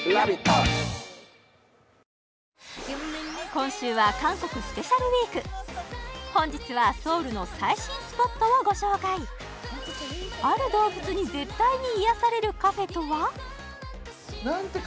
今週は韓国スペシャルウィーク本日はソウルの最新スポットをご紹介ある動物に絶対に癒されるカフェとは？